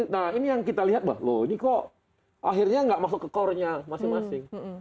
nah ini yang kita lihat bahwa loh ini kok akhirnya nggak masuk ke core nya masing masing